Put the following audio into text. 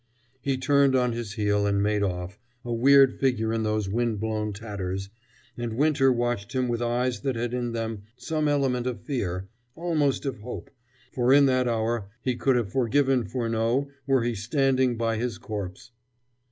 He turned on his heel, and made off, a weird figure in those wind blown tatters, and Winter watched him with eyes that had in them some element of fear, almost of hope, for in that hour he could have forgiven Furneaux were he standing by his corpse.